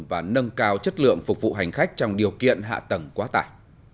và nâng cao chất lượng phục vụ hành khách trong điều kiện hạ tầng quá tải